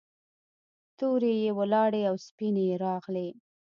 تورې یې ولاړې او سپینې یې راغلې.